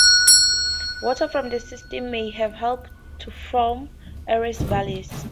Water from this system may have helped to form Ares Vallis.